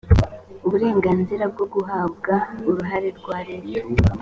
uburenganzira bwo guhabwa uruhare rwa leta